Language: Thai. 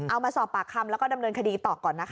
เอามาสอบปากคำแล้วก็ดำเนินคดีต่อก่อนนะคะ